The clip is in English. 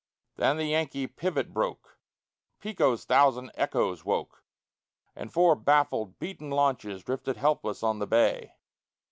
Then the Yankee pivot spoke; Pico's thousand echoes woke; And four baffled, beaten launches drifted helpless on the bay.